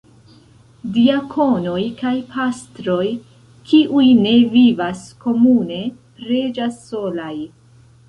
Diakonoj kaj pastroj, kiuj ne vivas komune, preĝas solaj.